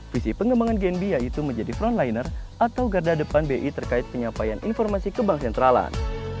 visi pengembangan gnb yaitu menjadi frontliner atau garda depan bi terkait penyampaian informasi ke bank sentralan